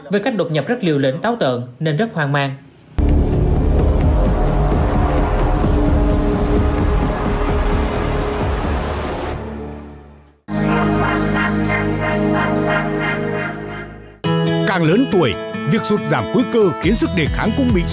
với cách đột nhập rất liều lĩnh táo tợn nên rất hoang mang